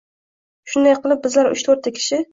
Shunday qilib, bizlar uch-to’rtta kishi